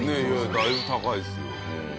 だいぶ高いですよ。